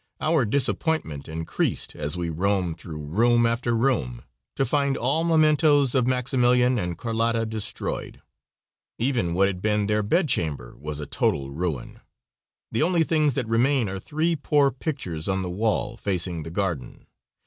Our disappointment increased as we roamed through room after room to find all mementos of Maximilian and Carlotta destroyed. Even what had been their bedchamber was a total ruin. The only things that remain are three poor pictures on the wall facing the garden.